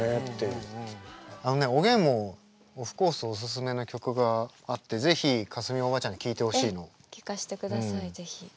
あのねおげんもオフコースおすすめの曲があって是非架純おばあちゃんに聴いてほしいの。聴かせてください是非。